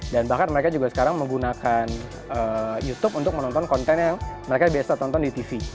dan bahkan mereka juga sekarang menggunakan youtube untuk menonton konten yang mereka biasa nonton di tv